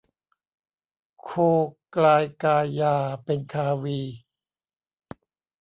โคกลายกายาเป็นคาวี